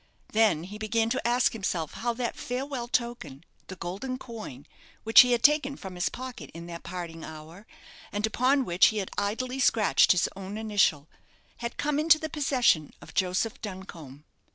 Then he began to ask himself how that farewell token, the golden coin, which he had taken from his pocket in that parting hour, and upon which he had idly scratched his own initial, had come into the possession of Joseph Duncombe.